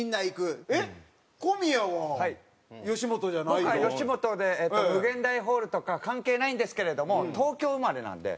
僕は吉本で∞ホールとか関係ないんですけれども東京生まれなんで。